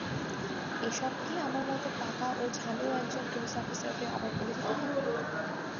এসব কি আমার মতো পাকা ও ঝানু একজন পুলিশ অফিসারকে আবার বলে দিতে হবে?